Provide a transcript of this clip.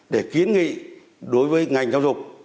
để kiến nghị đối với ngành giáo dục